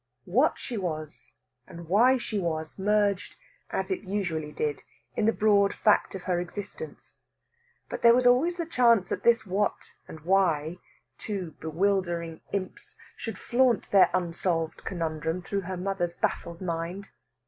What she was, and why she was, merged, as it usually did, in the broad fact of her existence. But there was always the chance that this what and why two bewildering imps should flaunt their unsolved conundrum through her mother's baffled mind.